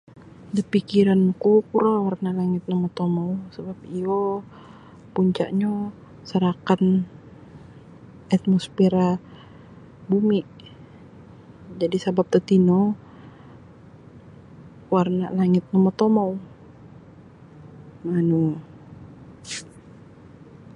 Dapikiranku kuro warna' langit no motomou sabap iyo punca'nyo serakan atmosfera bumi' jadi' sabap tatino warna' langit no motomou manu.